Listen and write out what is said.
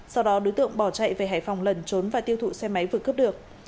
sau đó đối tượng bỏ chạy về hải phòng lần trốn và tiêu thụ xe máy vừa cướp được